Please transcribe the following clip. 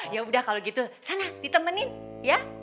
ya udah kalau gitu sana ditemenin ya